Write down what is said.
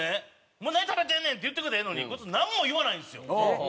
「お前何食べてんねん！」って言ってくれたらええのにこいつなんも言わないんですよ。